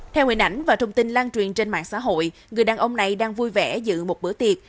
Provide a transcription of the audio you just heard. theo nguyện ảnh và thông tin lan truyền trên mạng xã hội người đàn ông này đang vui vẻ dự một bữa tiệc